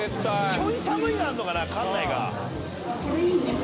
ちょい寒いがあんのかな館内が。